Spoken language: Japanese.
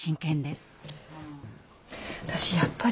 私やっぱり。